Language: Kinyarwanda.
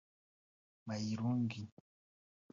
Mayirungi